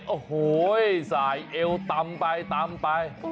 โอ้โหสายเอวตำไป